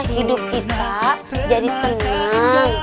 hidup kita jadi tenang